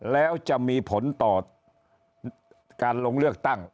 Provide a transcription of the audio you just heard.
แล้วจะมีผลต่อการลงเลือกตั้ง